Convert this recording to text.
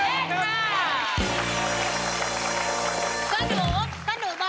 เล่นค่ะ